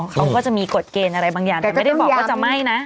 เขาก็จะมีกฎเกณฑ์อะไรบางอย่างแต่ไม่ได้บอกว่าจะไหม้นะ